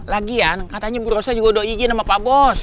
lagian katanya burosnya juga do'ijin sama pak bos